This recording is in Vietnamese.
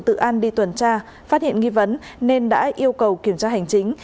tự an đi tuần tra phát hiện nghi vấn nên đã yêu cầu kiểm tra hành chính